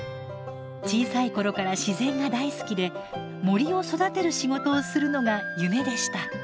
小さい頃から自然が大好きで森を育てる仕事をするのが夢でした。